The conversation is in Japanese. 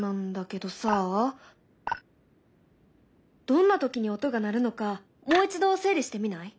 どんな時に音が鳴るのかもう一度整理してみない？